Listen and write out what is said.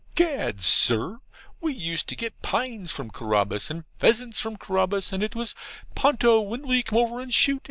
'Gad, Sir, we used to get pines from Carabas, and pheasants from Carabas, and it was "Ponto, when will you come over and shoot?"